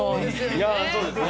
いやぁそうですね。